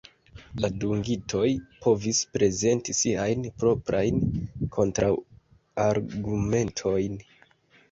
La dungitoj povis prezenti siajn proprajn kontraŭargumentojn.